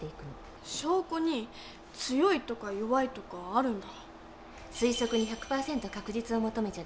証拠に強いとか弱いとかあるんだ。